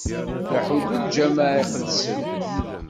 D ahuddu n Lǧameɛ iqedsen.